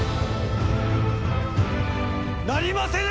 なりませぬ！